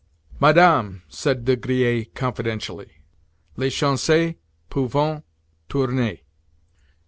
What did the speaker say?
"Madame," said De Griers confidentially, "les chances peuvent tourner.